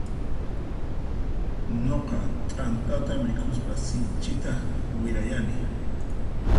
Nuqa t'antata mikhuspa sinchita wirayani.